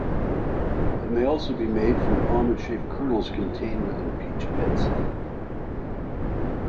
It may also be made from the almond-shaped kernels contained within peach pits.